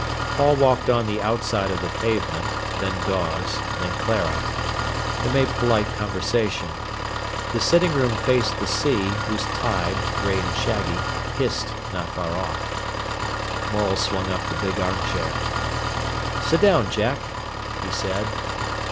Paul walked on the outside of the pavement, then Dawes, then Clara. They made polite conversation. The sitting room faced the sea, whose tide, grey and shaggy, hissed not far off. Morel swung up the big arm chair. "Sit down, Jack," he said.